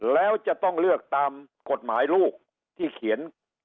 แล้วจะต้องเลือกตามกฎหมายลูกที่เขียน